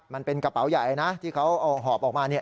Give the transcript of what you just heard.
มันเป็นกระเป๋าใหญ่นะที่เขาหอบออกมา